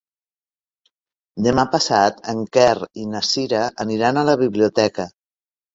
Demà passat en Quer i na Cira aniran a la biblioteca.